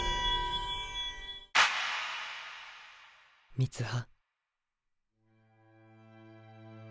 三葉。